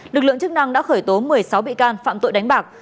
lực lượng chức năng đã khởi tố một mươi sáu bị can phạm tội đánh bạc